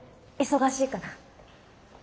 忙しいから。